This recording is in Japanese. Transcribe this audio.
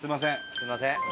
すみません。